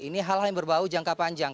ini hal hal yang berbau jangka panjang